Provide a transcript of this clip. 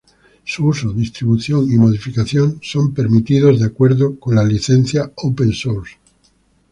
Su uso, distribución y modificación son permitidos de acuerdo a la Licencia Open Source.